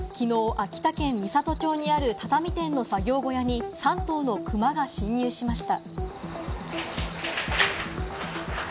秋田県美郷町にある畳店の作業小屋に３頭のクマが侵入しました。